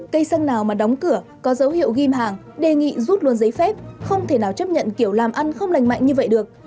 cây xăng nào mà đóng cửa có dấu hiệu ghim hàng đề nghị rút luôn giấy phép không thể nào chấp nhận kiểu làm ăn không lành mạnh như vậy được